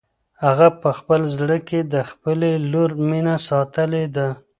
هغه په خپل زړه کې د خپلې لور مینه ساتلې ده.